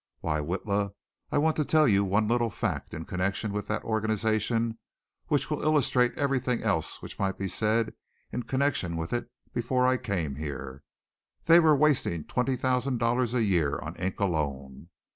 Why, Witla, I want to tell you one little fact in connection with that organization which will illustrate everything else which might be said in connection with it before I came here! They were wasting twenty thousand dollars a year on ink alone.